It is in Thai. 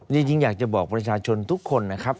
จริงอยากจะบอกประชาชนทุกคนนะครับ